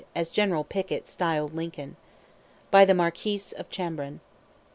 as General Pickett styled Lincoln. (By the Marquis of Chambrun.)